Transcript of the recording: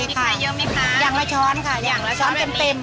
มีขายเยอะไหมคะอย่างละช้อนค่ะอย่างละช้อนเต็มเต็ม